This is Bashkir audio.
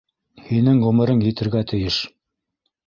Һинең ғүмерең етергә тейеш.